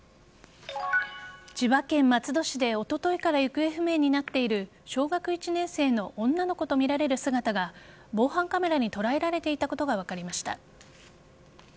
千葉県松戸市で、おとといから行方不明になっている小学１年生の女の子とみられる姿が防犯カメラに捉えられていたことが分かりました。